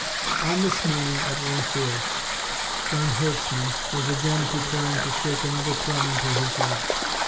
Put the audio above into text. On this morning at Roncheres, von Herzmann was again preparing to shake another plum into his lap.